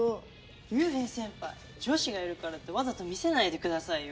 龍平先輩女子がいるからってわざと見せないでくださいよ！